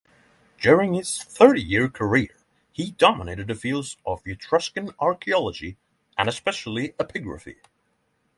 During his thirty-year career he dominated the fields of Etruscan archaeology and, especially, epigraphy.